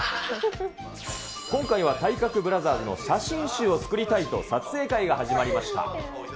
今回は体格ブラザーズの写真集を作りたいと撮影会が始まりました。